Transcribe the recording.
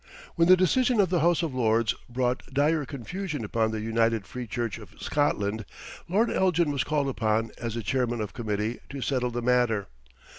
When the decision of the House of Lords brought dire confusion upon the United Free Church of Scotland, Lord Elgin was called upon as the Chairman of Committee to settle the matter.